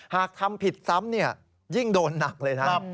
หากทำผิดซ้ำยิ่งโดนหนักเลยนะ